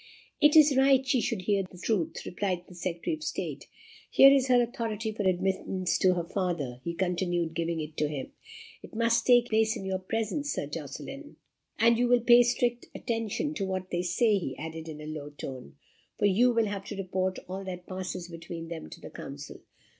"It is right she should hear the truth," replied the Secretary of State. "Here is her authority for admittance to her father," he continued, giving it to him. "It must take place in your presence, Sir Jocelyn. And you will pay strict attention to what they say," he added in a low tone, "for you will have to report all that passes between them to the council.